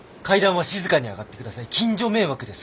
近所迷惑です